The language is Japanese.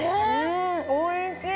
おいしい！